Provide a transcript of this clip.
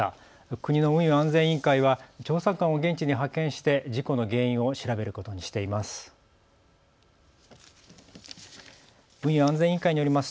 国の運輸安全委員会は調査官を現地に派遣して事故の原因を調べることにしています。